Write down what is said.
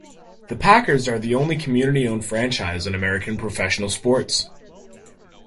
The Packers are the only community-owned franchise in American professional sports.